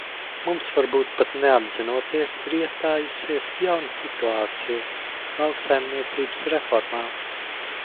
Mums, varbūt pat neapzinoties, ir iestājusies jauna situācija lauksaimniecības reformā.